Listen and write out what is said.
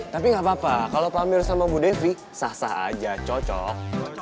tapi nggak papa kalau pamer sama bu devi sah sah aja cocok